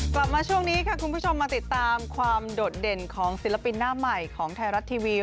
กลับมาช่วงนี้ค่ะคุณผู้ชมมาติดตามความโดดเด่นของศิลปินหน้าใหม่ของไทยรัฐทีวี